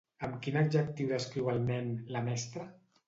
Amb quin adjectiu descriu el nen, la mestra?